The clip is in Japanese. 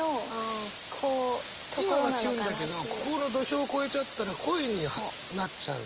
今はキュンだけどここの土俵を越えちゃったら恋になっちゃう？